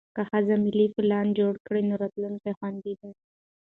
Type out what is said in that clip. که ښځه مالي پلان جوړ کړي، نو راتلونکی خوندي دی.